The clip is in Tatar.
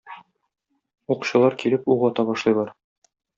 Укчылар килеп ук ата башлыйлар.